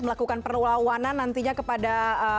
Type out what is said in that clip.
melakukan perlawanan nantinya kepada